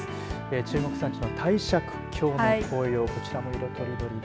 中国山地の帝釈峡の紅葉をこちら色とりどりで。